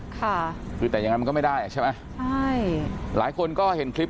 ค่ะคือแต่ยังไงมันก็ไม่ได้อ่ะใช่ไหมใช่หลายคนก็เห็นคลิป